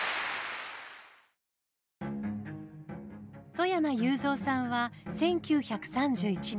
外山雄三さんは１９３１年東京生まれ。